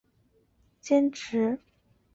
民国四十一年应邀于政工干校音乐科兼课。